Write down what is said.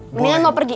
mendingan lo pergi